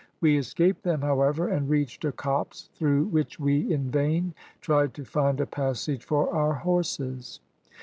We escaped them, however, and reached a copse, through which we, in vain, tried to find a passage for our horses.